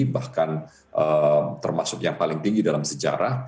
bahkan termasuk yang paling tinggi dalam sejarah